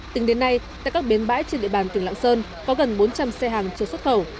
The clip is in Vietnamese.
tính đến nay tại các bến bãi trên địa bàn tỉnh lạng sơn có gần bốn trăm linh xe hàng chưa xuất khẩu